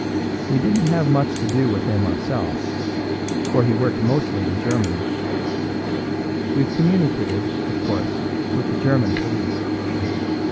We didn't have much to do with him ourselves, for he worked mostly in Germany. We've communicated, of course, with the German police.